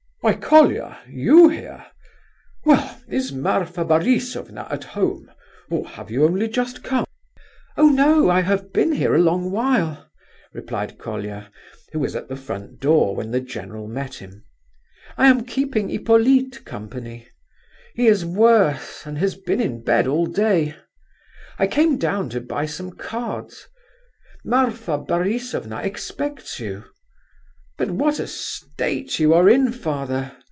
Why, Colia! you here! Well, is Marfa Borisovna at home or have you only just come?" "Oh no! I have been here a long while," replied Colia, who was at the front door when the general met him. "I am keeping Hippolyte company. He is worse, and has been in bed all day. I came down to buy some cards. Marfa Borisovna expects you. But what a state you are in, father!"